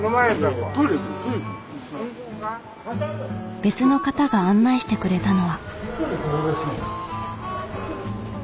別の方が案内してくれたのは。